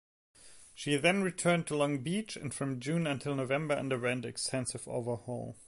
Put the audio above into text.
She then returned to Long Beach and from June until November underwent extensive overhaul.